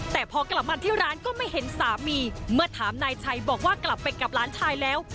แต่พอกลับมาที่ร้านก็ไม่เห็นสามีเมื่อถามนายชัยบอกว่ากลับไปกับหลานชายแล้ว